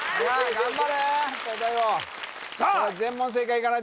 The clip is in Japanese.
頑張れ